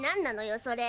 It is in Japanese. それ。